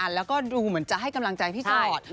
แล้วก็ดูเหมือนจะให้กำลังใจพี่ตลอด